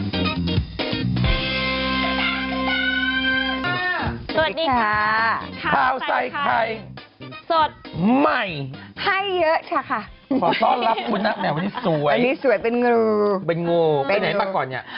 สวัสดีค่ะข้าวใส่ไข่สดใหม่ให้เยอะค่ะขอต้อนรับคุณนะแหมวันนี้สวยอันนี้สวยเป็นงูเป็นงูไปไหนมาก่อนเนี่ย